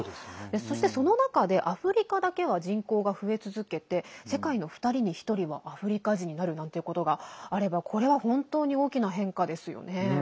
そして、その中でアフリカだけは人口が増え続けて世界の２人に１人はアフリカ人になるなんてことがあればこれは本当に大きな変化ですよね。